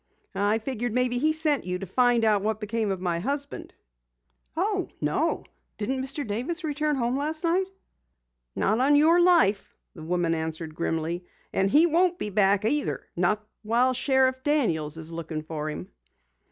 "I figured maybe he sent you to find out what became of my husband." "Oh, no! Didn't Mr. Davis return home last night?" "Not on your life!" the woman answered grimly. "And he won't be back either not while Sheriff Daniels is looking for him."